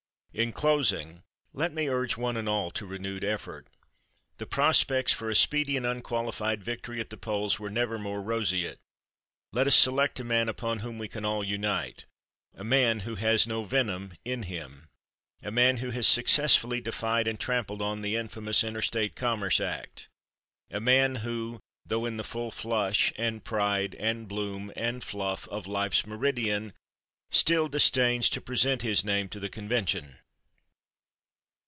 In closing, let me urge one and all to renewed effort. The prospects for a speedy and unqualified victory at the polls were never more roseate. Let us select a man upon whom we can all unite, a man who has no venom in him, a man who has successfully defied and trampled on the infamous Interstate Commerce act, a man who, though in the full flush and pride and bloom and fluff of life's meridian, still disdains to present his name to the convention.